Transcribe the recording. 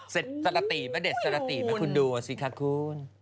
เสร็จสละติมาเด็ดสละติมาคุณดูสิค่ะคุณ